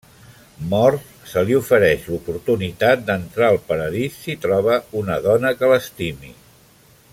Mort, se li ofereix l'oportunitat d'entrar al paradís si troba una dona que l'estimi.